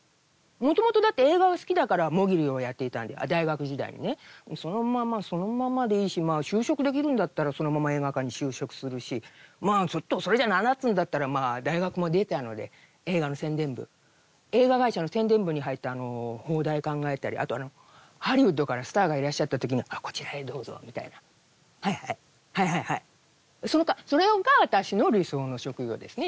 もともとだって映画が好きだからもぎりをやっていたんで大学時代にねそのままそのままでいいしまぁ就職できるんだったらそのまま映画館に就職するしちょっとそれじゃ何だっつうんだったらまぁ大学も出たので映画の宣伝部映画会社の宣伝部に入って邦題考えたりあとハリウッドからスターがいらっしゃった時に「こちらへどうぞ」みたいなはいはいはいはいはいそれが私の理想の職業ですね